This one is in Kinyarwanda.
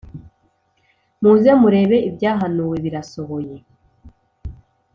"muze murebe ibyahanuwe birasohoye!